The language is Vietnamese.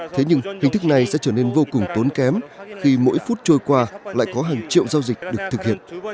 thế nhưng hình thức này sẽ trở nên vô cùng tốn kém khi mỗi phút trôi qua lại có hàng triệu giao dịch được thực hiện